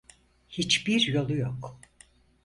Hiçbir yolu yok.